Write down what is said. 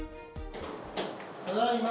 ただいま。